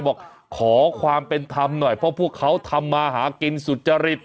บอกขอความเป็นธรรมหน่อยเพราะพวกเขาทำมาหากินสุจริต